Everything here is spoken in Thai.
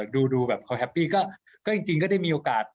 ดูแบบเขาแฮปปี้ก็จริงก็ได้มีโอกาส